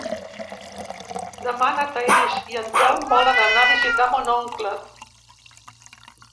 Demà na Thaís i en Telm volen anar a visitar mon oncle.